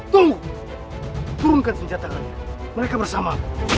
tunggu turunkan senjatanya mereka bersama